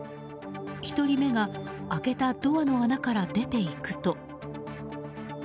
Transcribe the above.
１人目が開けたドアの穴から出て行くと。